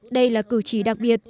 đây là cử chỉ đặc biệt